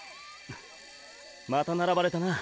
また並ばれたな。